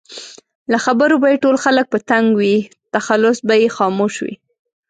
له خبرو به یې ټول خلک په تنګ وي؛ تخلص به یې خاموش وي